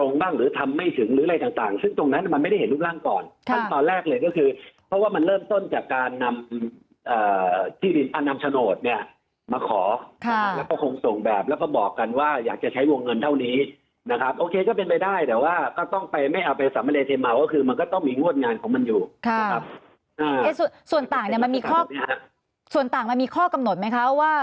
นำไม่ถึงหรืออะไรต่างซึ่งตรงนั้นมันไม่ได้เห็นรูปร่างก่อนตั้งแต่ตอนแรกเลยก็คือเพราะว่ามันเริ่มต้นจากการนำที่ดินอนามโฉนดเนี่ยมาขอแล้วก็คงส่งแบบแล้วก็บอกกันว่าอยากจะใช้วงเงินเท่านี้นะครับโอเคก็เป็นไปได้แต่ว่าก็ต้องไปไม่เอาไปสำเร็จมาก็คือมันก็ต้องมีงวดงานของมันอยู่ส่วนต่างเนี่ยมันมีข